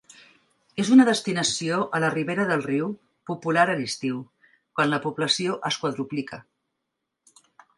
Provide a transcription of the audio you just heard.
És una destinació a la ribera del riu popular a l'estiu, quan la població es quadruplica.